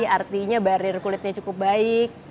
artinya barir kulitnya cukup baik